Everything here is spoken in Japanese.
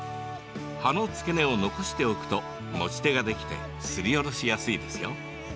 葉の付け根を残しておくと持ち手ができてすりおろしやすいですよ。